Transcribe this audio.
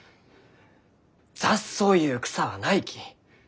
雑草ゆう草はないき。